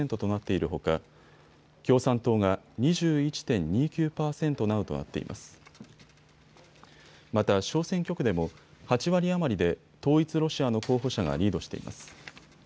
また小選挙区でも８割余りで統一ロシアの候補者がリードしています。